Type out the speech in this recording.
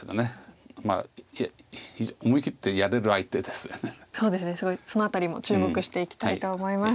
すごいそのあたりも注目していきたいと思います。